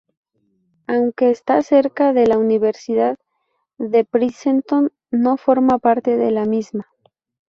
Aunque está cerca de la Universidad de Princeton, no forma parte de la misma.